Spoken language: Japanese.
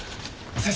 先生！